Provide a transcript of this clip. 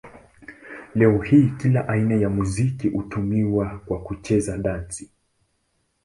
Leo hii kila aina ya muziki hutumiwa kwa kucheza dansi.